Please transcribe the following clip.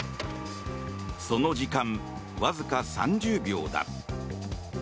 その時間、わずか３０秒だ。